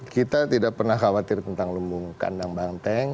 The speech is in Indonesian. kita tidak pernah khawatir tentang lumbung kandang banteng